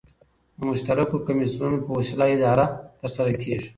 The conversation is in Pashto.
د مشترکو کمېسیونو په وسیله اداره ترسره کيږي.